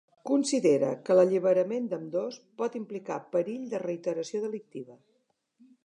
Considera que l’alliberament d’ambdós pot implicar perill de reiteració delictiva.